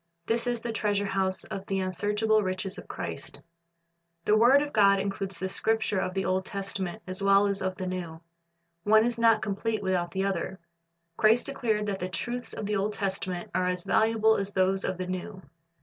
This is the treasure house of the unsearchable riches of Christ. The word of God includes the Scriptures of the Old Testament as well as of the N.ew. One is not complete without the other. Christ declared that the truths of the Old Testament are as valuable as those of the New.